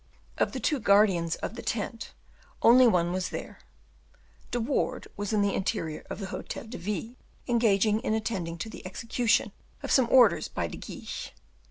Of the two guardians of the tent, only one was there. De Wardes was in the interior of the Hotel de Ville, engaging in attending to the execution of some orders by De Guiche.